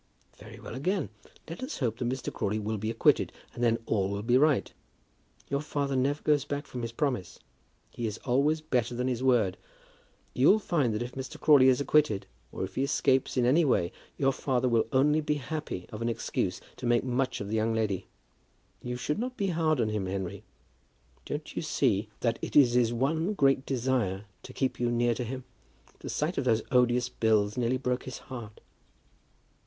"Very well again. Let us hope that Mr. Crawley will be acquitted, and then all will be right. Your father never goes back from his promise. He is always better than his word. You'll find that if Mr. Crawley is acquitted, or if he escapes in any way, your father will only be happy of an excuse to make much of the young lady. You should not be hard on him, Henry. Don't you see that it is his one great desire to keep you near to him? The sight of those odious bills nearly broke his heart."